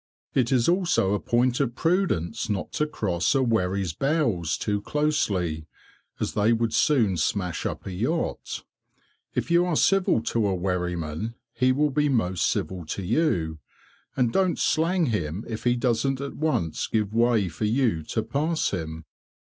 It is also a point of prudence not to cross a wherry's bows too closely, as they would soon smash up a yacht. If you are civil to a wherryman he will be most civil to you, and don't slang him if he doesn't at once give way for you to pass him.